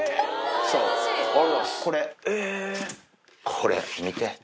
これ見て。